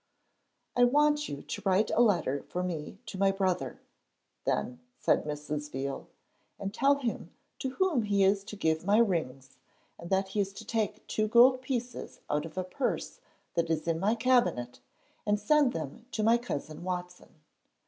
'I want you to write a letter for me to my brother,' then said Mrs. Veal, 'and tell him to whom he is to give my rings, and that he is to take two gold pieces out of a purse that is in my cabinet, and send them to my cousin Watson.'